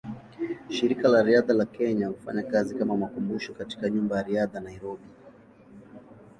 Shirika la Riadha la Kenya hufanya kazi kama makumbusho katika Nyumba ya Riadha, Nairobi.